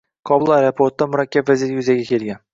Kobul aeroportida murakkab vaziyat yuzaga kelgan